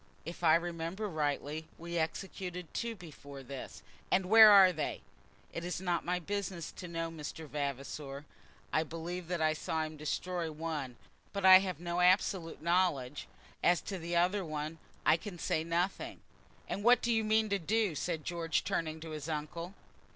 "If I remember rightly we executed two before this." "And where are they?" "It is not my business to know, Mr. Vavasor. I believe that I saw him destroy one, but I have no absolute knowledge. As to the other, I can say nothing." "And what do you mean to do?" said George, turning to his uncle.